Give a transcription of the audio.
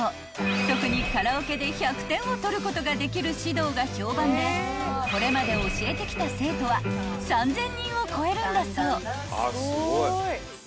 ［特にカラオケで１００点を取ることができる指導が評判でこれまで教えてきた生徒は３，０００人を超えるんだそう］